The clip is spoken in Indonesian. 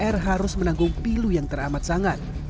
r harus menanggung pilu yang teramat sangat